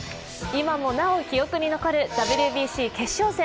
今もなお記憶に残るＷＢＣ決勝戦。